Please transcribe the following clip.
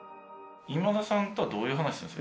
今田さんとはどういう話をするんですか？